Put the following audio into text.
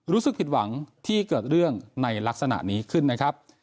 รู้สึกผิดหวังที่เกิดเรื่องในลักษณะนี้ขึ้นนะครับ